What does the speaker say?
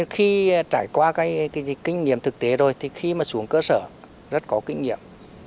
khi trải qua cái kinh nghiệm thực tế rồi thì khi mà xuống cơ sở rất có kinh nghiệm